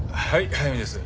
速水です。